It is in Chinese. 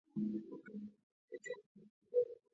芯片行业的联盟成员旨在确保硬件友好的设计。